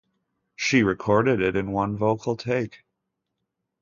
She recorded it in one vocal take.